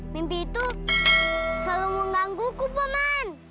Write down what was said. mimpi itu selalu menggangguku pak man